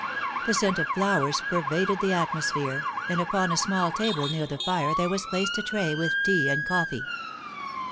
The scent of flowers pervaded the atmosphere, and upon a small table near the fire there was placed a tray with tea and coffee.